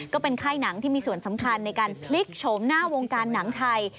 ก็เป็นค่ายหนังที่มีส่วนสำคัญในการพลิกโฉมหน้าวงการหนังไทย